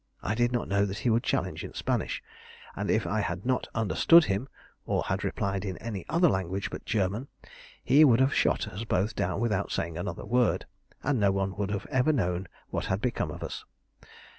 I did not know that he would challenge in Spanish, and if I had not understood him, or had replied in any other language but German, he would have shot us both down without saying another word, and no one would ever have known what had become of us.